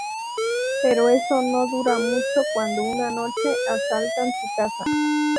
Pero eso no dura mucho, cuando una noche asaltan su casa.